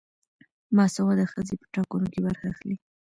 باسواده ښځې په ټاکنو کې برخه اخلي.